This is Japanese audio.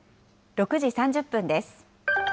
６時３０分です。